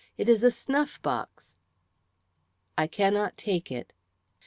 It is a snuff box." "I cannot take it."